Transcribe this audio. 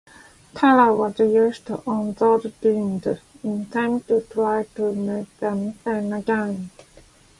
Terror was used on those deemed insane to try to make them sane again.